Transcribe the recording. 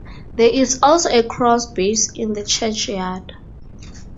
There is also a cross base in the churchyard.